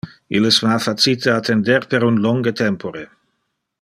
Illes me ha facite attender per un longe tempore.